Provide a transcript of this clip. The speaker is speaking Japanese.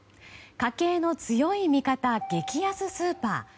家計の強い味方、激安スーパー。